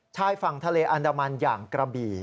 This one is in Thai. ชายฝั่งทะเลอันดามันอย่างกระบี่